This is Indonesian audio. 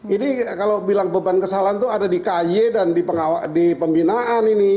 ini kalau bilang beban kesalahan itu ada di ky dan di pembinaan ini